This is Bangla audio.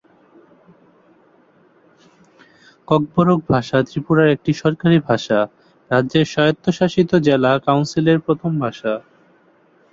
ককবরক ভাষা ত্রিপুরার একটি সরকারি ভাষা, রাজ্যের স্বায়ত্তশাসিত জেলা কাউন্সিলের প্রথম ভাষা।